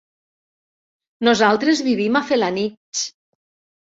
Nosaltres vivim a Felanitx.